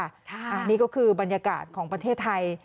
อันนี้ก็คือบรรยากาศของประเทศไทย